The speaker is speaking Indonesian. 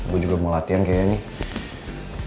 gue juga mau latihan kayaknya nih